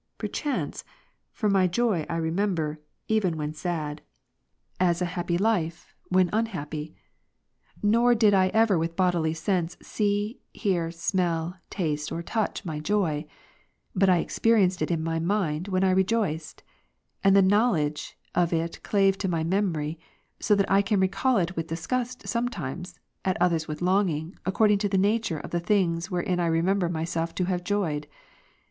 Perchance ; for my joy I remember, even when sad, as 200 Happiness not joy uitrciy, hut joy in God. a happy life, when unhappy; nor did I ever with bodily sense see, hear, smell, taste, or touch my joy ; but I experienced i1 in my mind, when I rejoiced; and the knowledge of it clave to my memory, so that I can recall it with disgust sometimes, at others with longing, according to the nature of the things, wherein I remember myself to have joyed.